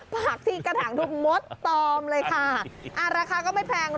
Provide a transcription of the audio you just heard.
ผักที่กระถางทุกมดตอมเลยค่ะอ่าราคาก็ไม่แพงนะ